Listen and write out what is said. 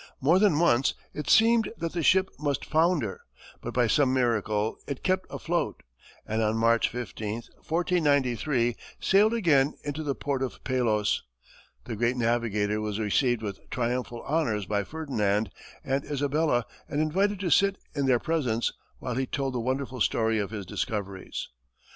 More than once it seemed that the ship must founder, but by some miracle it kept afloat, and on March 15, 1493, sailed again into the port of Palos. The great navigator was received with triumphal honors by Ferdinand and Isabella, and invited to sit in their presence while he told the wonderful story of his discoveries.